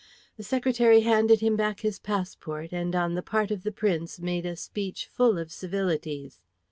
The secretary handed him back his passport, and on the part of the Prince made a speech full of civilities.